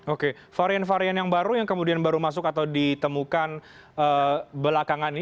oke varian varian yang baru yang kemudian baru masuk atau ditemukan belakangan ini